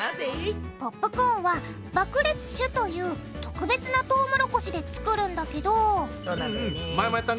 ポップコーンは爆裂種という特別なトウモロコシで作るんだけどそうなんだよね。